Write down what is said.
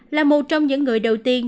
là một trong những người đầu tiên